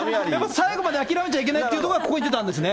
最後まで諦めちゃいけないっていうところがここに出たんですね。